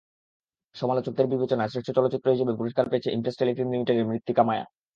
সমালোচকদের বিবেচনায় শ্রেষ্ঠ চলচ্চিত্র হিসেবে পুরস্কার পেয়েছে ইমপ্রেস টেলিফিল্ম লিমিটেডের মৃত্তিকা মায়া।